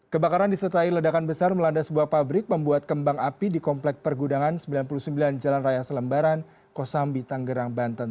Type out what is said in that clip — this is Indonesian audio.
kebakaran disertai ledakan besar melanda sebuah pabrik membuat kembang api di komplek pergudangan sembilan puluh sembilan jalan raya selembaran kosambi tanggerang banten